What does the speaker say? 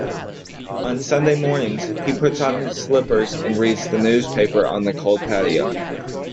On Sunday mornings, he puts on his slippers and reads the newspaper on the cold patio.